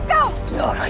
apa yang ada